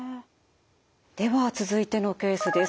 では続いてのケースです。